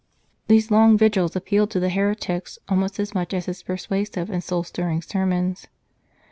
These long vigils appealed to the heretics almost as much as his persuasive and soul stirring ser mons.